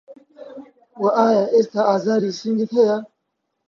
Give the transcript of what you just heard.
وه ئایا ئێستا ئازاری سنگت هەیە